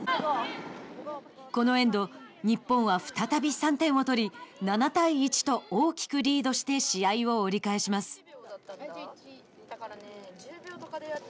このエンド、日本は再び３点を取り７対１と大きくリードして試合を折り返します。